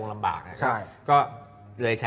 เล็กเล็กเล็กเล็ก